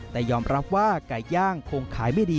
แต่ยอมรับว่าไก่ย่างคงขายไม่ดี